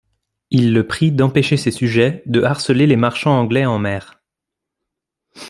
Il le prie d'empêcher ses sujets de harceler les marchands anglais en mer.